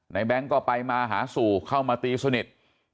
แบงค์ก็ไปมาหาสู่เข้ามาตีสนิท